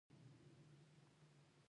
دایکنډي د کومې میوې لپاره مشهور دی؟